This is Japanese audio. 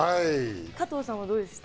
加藤さんはどうでした？